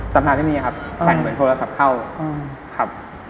ตำราเล่มนี้มีครับฝั่งเหมือนโทรศัพท์เข้า